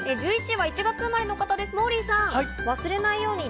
１１位は１月生まれの方です、モーリーさん。